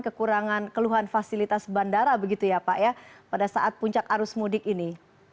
kekurangan keluhan fasilitas bandara begitu ya pak ya pada saat puncak arus mudik ini